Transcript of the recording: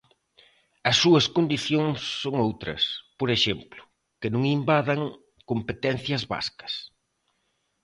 As súas condicións son outras: por exemplo, que non invadan competencias vascas.